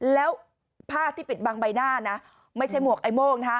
แล้วผ้าที่ปิดบังใบหน้านะไม่ใช่หมวกไอ้โม่งนะฮะ